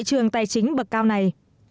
trường tài chính bậc cao này